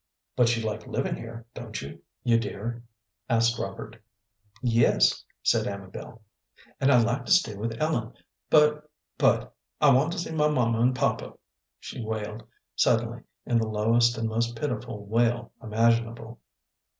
"But you like living here, don't you, you dear?" asked Robert. "Yes," said Amabel, "and I like to stay with Ellen, but but I want to see my mamma and papa," she wailed, suddenly, in the lowest and most pitiful wail imaginable.